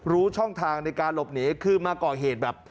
ช่องทางในการหลบหนีคือมาก่อเหตุแบบ